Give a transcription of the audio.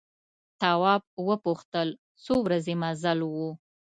تواب وپوښتل څو ورځې مزل و.